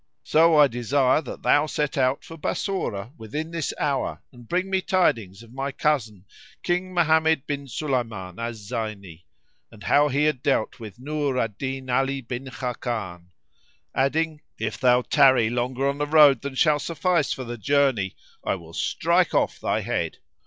So I desire that thou set out for Bassorah within this hour and bring me tidings of my cousin, King Mohammed bin Sulayman al Zayni, and how he had dealt with Nur al Din Ali bin Khákán;" adding, "If thou tarry longer on the road than shall suffice for the journey, I will strike off thy head.